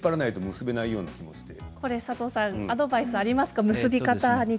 結び方のアドバイスありますか？